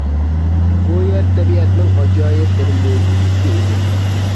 بۇ يەر تەبىئەتنىڭ ئاجايىپ بىر مۆجىزىسى ئىدى.